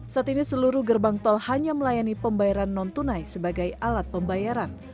saat ini seluruh gerbang tol hanya melayani pembayaran non tunai sebagai alat pembayaran